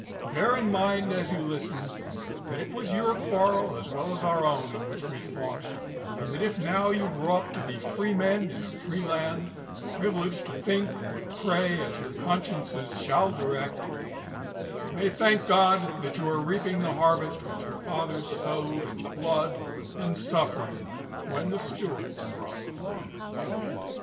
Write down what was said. Bear in mind as you listen that it was your quarrel as well as our own in which we fought, and that if now you grow up to be free men in a free land, privileged to think or to pray as your consciences shall direct, you may thank God that you are reaping the harvest which your fathers sowed in blood and suffering when the Stuarts were on the throne.